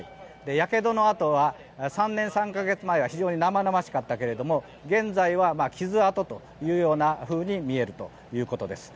やけどの痕は３年３か月前は非常に生々しかったけれども現在は傷痕というようなふうに見えるということです。